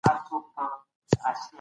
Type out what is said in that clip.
ښه اړیکې روغتیا پیاوړې کوي.